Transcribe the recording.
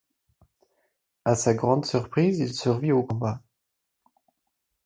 À sa grande surprise, il survit au combat.